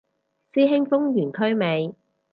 師兄封完區未